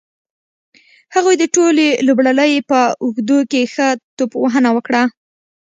هغوی د ټولې لوبلړۍ په اوږدو کې ښه توپ وهنه وکړه.